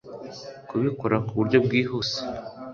Kubikora ku buryo bwihuse